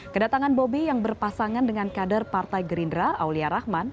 kedatangan bobi yang berpasangan dengan kader partai gerindra aulia rahman